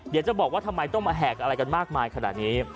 เดี๋ยวจะบอกว่าทำไมต้องมาแหกอะไรกันมากมายขนาดนี้